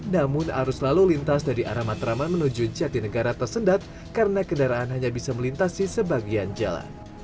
namun arus lalu lintas dari arah matraman menuju jatinegara tersendat karena kendaraan hanya bisa melintasi sebagian jalan